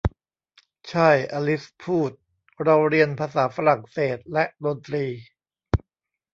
'ใช่' อลิซพูด 'เราเรียนภาษาฝรั่งเศสและดนตรี'